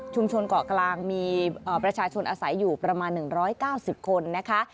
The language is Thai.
ชนเกาะกลางมีประชาชนอาศัยอยู่ประมาณ๑๙๐คนนะคะ